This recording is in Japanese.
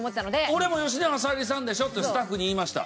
俺も吉永小百合さんでしょってスタッフに言いました。